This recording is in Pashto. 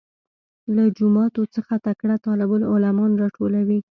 له جوماتو څخه تکړه طالب العلمان راټولوي.